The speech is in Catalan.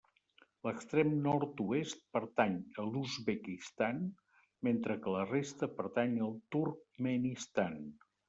L'extrem nord-oest pertany a l'Uzbekistan, mentre que la resta pertany al Turkmenistan.